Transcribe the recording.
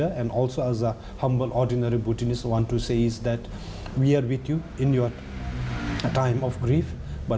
เพราะฉะนั้นฉันเป็นผู้บุธินิสต์ที่สงสัยอยากบอกว่าเราอยู่กับคุณในเวลาของคุณ